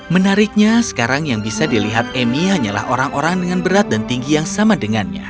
menariknya sekarang yang bisa dilihat emi hanyalah orang orang dengan berat dan tinggi yang sama dengannya